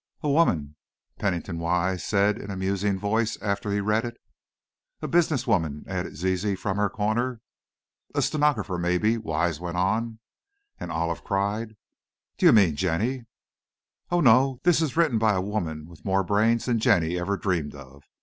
"A woman," Pennington Wise said in a musing voice, after he read it. "A business woman," added Zizi from her corner. "A stenographer maybe," Wise went on, and Olive cried: "Do you mean Jenny?" "Oh, no; this is written by a woman with more brains than Jenny ever dreamed of.